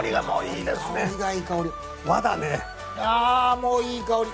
もういい香り。